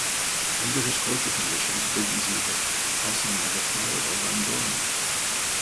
Under his culture conditions, 'Big Easy' has also never flowered or gone dormant.